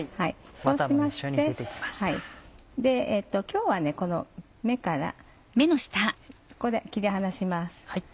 そうしまして今日はこの目からここで切り離します。